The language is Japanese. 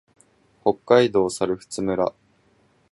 北海道猿払村